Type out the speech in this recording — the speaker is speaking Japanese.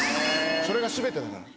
「それが全てだから。